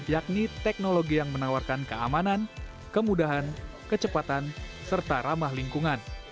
yakni teknologi yang menawarkan keamanan kemudahan kecepatan serta ramah lingkungan